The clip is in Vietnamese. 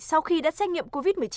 sau khi đã xét nghiệm covid một mươi chín